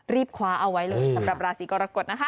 คว้าเอาไว้เลยสำหรับราศีกรกฎนะคะ